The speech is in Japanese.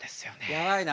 やばいな。